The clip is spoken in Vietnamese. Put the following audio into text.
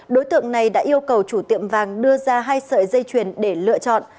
đối tượng này đã yêu cầu chủ tiệm vàng đưa ra hai sợi dây chuyền để lựa chọn